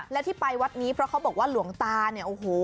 และที่ไปวัดนี้เพราะเขาบอกว่าหลวงตาเนี่ยโอ้โห